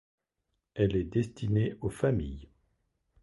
Elle est destinée aux familles.